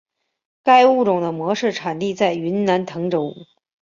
该物种的模式产地在云南腾冲。